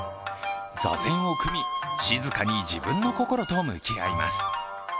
座禅を組み、静かに自分の心と向き合います。